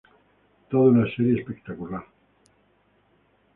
Toda una serie espectacular.